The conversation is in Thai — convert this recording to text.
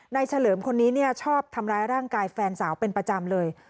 เฉลิมคนนี้ชอบทำร้ายร่างกายแฟนสาวเป็นประจำเลย